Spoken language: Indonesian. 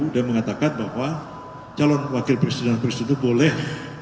dan mengatakan bahwa calon wakil presiden dan presiden itu boleh